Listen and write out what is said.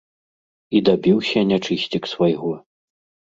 І дабіўся, нячысцік, свайго.